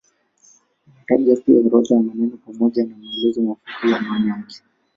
Inataja pia orodha ya maneno pamoja na maelezo mafupi ya maana yake.